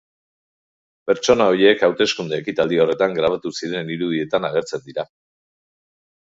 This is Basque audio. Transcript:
Pertsona horiek hauteskunde ekitaldi horretan grabatu ziren irudietan agertzen dira.